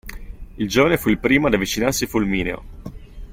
Il giovane fu il primo ad avvicinarsi fulmineo.